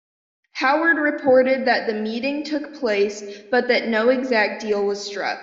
Howard reported that the meeting took place but that no exact deal was struck.